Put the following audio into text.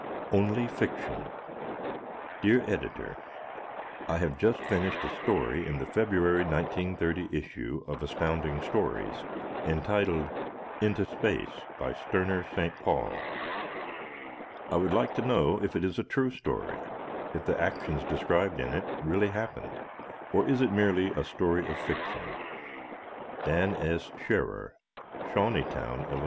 Only Fiction! Dear Editor: I have just finished a story in the February, 1930, issue of Astounding Stories entitled "Into Space," by Sterner St. Paul. I would like to know if it is a true story, if the actions described in it really happened, or is it merely a story of fiction. Dan S. Scherrer, Shawneetown, Ill.